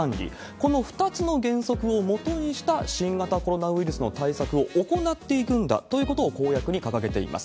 この２つの原則をもとにした新型コロナウイルスの対策を行っていくんだということを公約に掲げています。